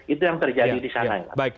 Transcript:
itu yang terjadi di sana ya